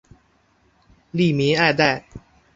吏民爱戴。